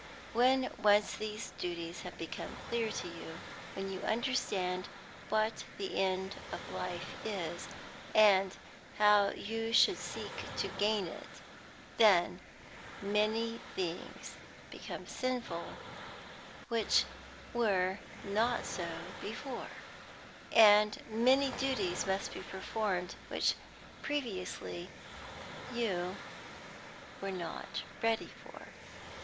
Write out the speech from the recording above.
When once these duties have become clear to you, when you understand what the end of life is, and how you should seek to gain it, then many things become sinful which were not so before, and many duties must be performed which previously you were not ready for."